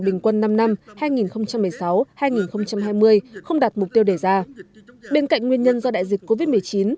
bình quân năm năm hai nghìn một mươi sáu hai nghìn hai mươi không đạt mục tiêu đề ra bên cạnh nguyên nhân do đại dịch covid một mươi chín